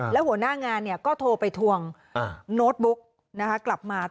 แล้วหัวหน้างานเนี่ยก็โทรไปทวงโน้ตบุ๊กนะครับกลับมา